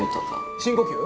深呼吸？